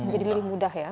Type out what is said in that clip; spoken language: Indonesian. jadi lebih mudah ya